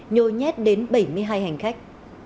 nhôi nhét đến bảy mươi hai hành khách